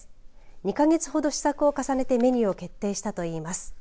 ２か月ほど試作を重ねてメニューを決定したといいます。